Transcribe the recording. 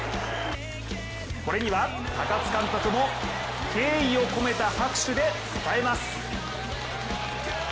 これには高津監督も敬意を込めた拍手でたたえます。